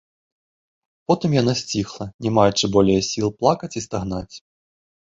Потым яна сціхла, не маючы болей сіл плакаць і стагнаць.